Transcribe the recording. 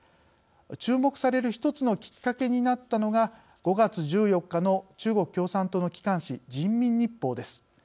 注目される一つのきっかけになったのが５月１４日の中国共産党の機関紙人民日報です。